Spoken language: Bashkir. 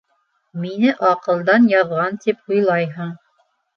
Мине аҡылдан яҙған тип уйлайһың.